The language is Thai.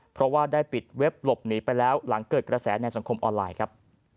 เพราะว่าได้ปิดเว็บหลบหนีไปแล้วหลังเกิดกระแสในสังคมออนไลน์ครับ